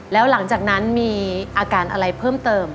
แล้วหลังจากนั้นมีอาการอะไรเพิ่มเติม